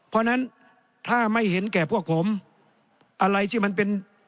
เพราะฉะนั้นถ้าไม่เห็นแก่พวกผมอะไรที่มันเป็น